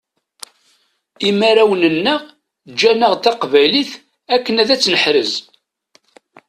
Imarawen-nneɣ ǧǧanaɣ-d taqbaylit akken ad tt-neḥrez.